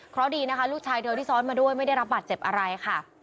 เพราะดีนะคะลูกชายเธอที่ซ้อนมาด้วยไม่ได้รับบาดเจ็บอะไรค่ะ